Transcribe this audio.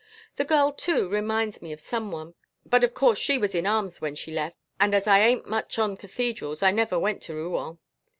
The girl, too, reminds me of some one, but of course she was in arms when she left and as I ain't much on cathedrals I never went to Rouen.